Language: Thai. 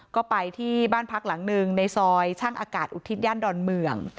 ก็ไปที่บ้านพักหลังหนึ่งในซอยช่างอากาศอุทิศย่านดอนเมือง